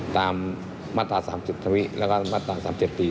ตามมาตรา๓๐ทวิแล้วก็มาตรา๓๗ปี